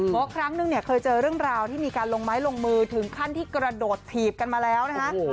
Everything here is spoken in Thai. เพราะครั้งนึงเนี่ยเคยเจอเรื่องราวที่มีการลงไม้ลงมือถึงขั้นที่กระโดดถีบกันมาแล้วนะคะ